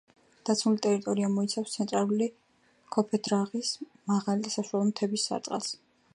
დაცული ტერიტორია მოიცავს ცენტრალური ქოფეთდაღის მაღალი და საშუალო მთების სარტყელს.